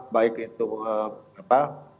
baik itu apa